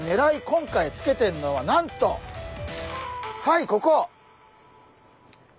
今回つけてんのはなんとはいここ！